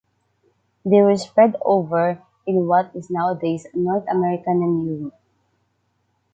They were spread over in what is nowadays North American and Europe.